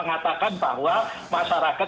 mengatakan bahwa masyarakat